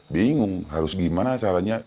bingung harus gimana caranya